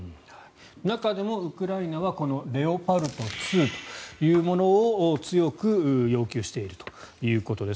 中でもウクライナはレオパルト２というものを強く要求しているということです。